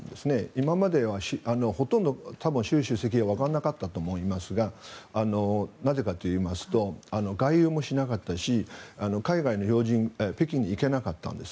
今まではほとんど多分習主席はわからなかったと思いますがなぜかといいますと外遊もしなかったし海外の要人北京に行けなかったんです。